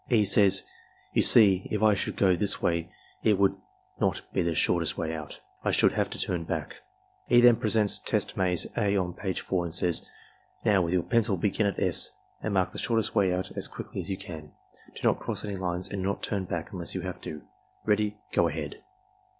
E. says: "You see, if I should go this way, it would not be the shortest way out. I should have to turn back.'' E. then presents test maze (a) on page 4 and says: "Now, with your pencil begin at S and mark the shortest way out as quickly as you can. Do not cross any lines and do not turn back unless you have to. Ready — Go ahead."